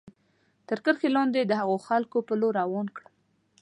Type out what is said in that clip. تر کرښې لاندې د هغو خلکو په لور روان کړم.